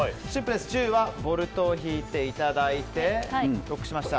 銃はボルトを引いていただいてロックしました。